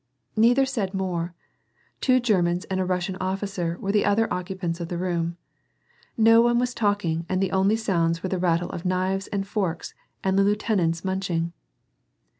Neither said more ; two Germans and a Russian officer were the other occupants of the room. No one was talking and the only sounds were the rattle of knives and forks and the lieu tenant's munching.